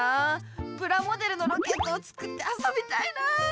プラモデルのロケットを作ってあそびたいな。